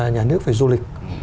nhà nước về du lịch